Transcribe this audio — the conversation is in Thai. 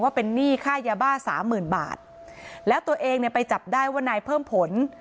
ว่าเป็นหนี้ค่ายบ้า๓๐๐๐๐บาทแล้วตัวเองไปจับได้ว่านายเพิ่มผล